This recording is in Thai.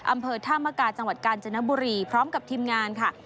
อำเภอธามกาจังหวัดกาญจนบุรีพร้อมกับทีมงานค่ะ